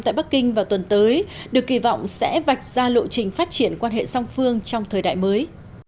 tại bắc kinh vào tuần tới được kỳ vọng sẽ vạch ra lộ trình phát triển quan hệ song phương trong thời đại mới